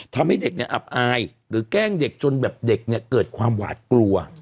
ทำให้เด็กเนี่ยอับอายหรือแกล้งเด็กจนแบบเด็กเนี่ยเกิดความหวาดกลัว